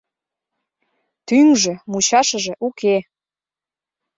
Тӱҥжӧ — мучашыже уке.